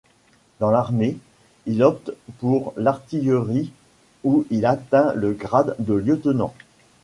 Dans l’armée, il opte pour l’artillerie où il atteint le grade de lieutenant.